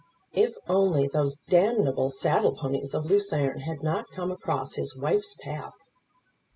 If only those d able saddle ponies of Lucerne had not come across his wife's path!